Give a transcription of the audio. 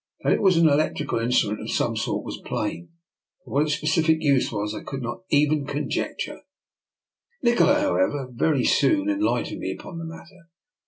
That it was an electrical instrument of some sort was plain, but what its specific use was I could not even conjee ture. Nikola, however, very soon enlightened me upon the matter.